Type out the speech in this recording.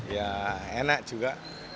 ya enak juga